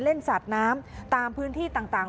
เล่นสัดน้ำตามพื้นที่ต่าง